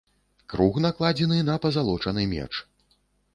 Круг накладзены на пазалочаны меч.